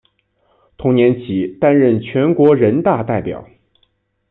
同年起担任全国人大代表。